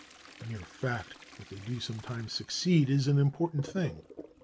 The mere fact that they do sometimes succeed is an important thing.